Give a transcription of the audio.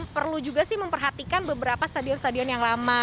perlu juga sih memperhatikan beberapa stadion stadion yang lama